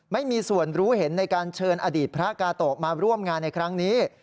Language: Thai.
ไม่มีส่วนรู้เห็นในการเชิญอดีตพระกาโตะมาร่วมงานในครั้งนี้